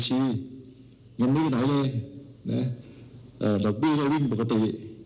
เงินไม่มีไหนเลยดอกเบี้ยว่าวิ่งปกติ